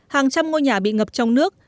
hàng trăm ngôi nhà bị ngập trong nước